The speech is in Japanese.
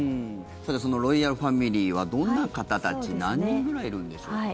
そのロイヤルファミリーはどんな方たち何人ぐらいいるんでしょうか。